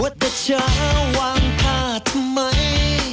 ว่าแต่ช้าวางค่าทำไม